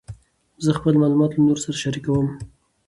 زه خپل معلومات له نورو سره شریکوم.